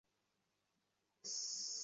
আইনের বিষয় নয়, হোম মিনিষ্টার নিজে বলেছেন।